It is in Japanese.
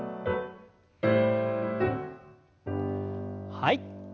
はい。